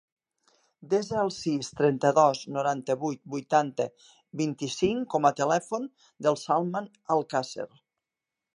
Desa el sis, trenta-dos, noranta-vuit, vuitanta, vint-i-cinc com a telèfon del Salman Alcacer.